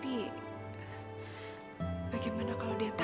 bagaimana kalau dia takut bertemu denganku